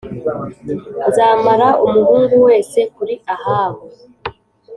nzamara umuhungu wese kuri Ahabu